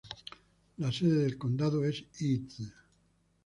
La sede del condado es Eads.